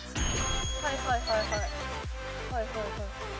はいはいはいはい。